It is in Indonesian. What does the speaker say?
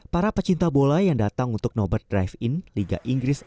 para pecinta bola yang datang untuk nobar drive in liga inggris